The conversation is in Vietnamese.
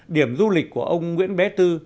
điểm du lịch của ông nguyễn bé tư